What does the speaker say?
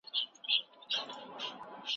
انلاین مواد به ستا د پوهې کچه لوړه کړي.